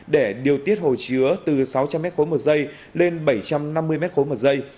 để điều tiết hồ chứa từ sáu trăm linh m ba một giây lên bảy trăm năm mươi m ba một giây